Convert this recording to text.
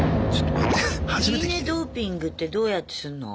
ドーピングってどうやってすんの？